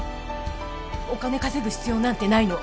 お金稼ぐ必要なんてないの。